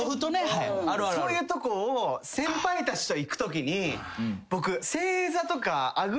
そういうとこを先輩たちと行くときに僕。